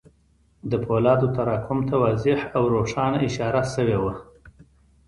د پولادو تراکم ته واضح او روښانه اشاره شوې وه